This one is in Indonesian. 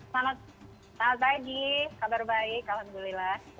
selamat pagi kabar baik alhamdulillah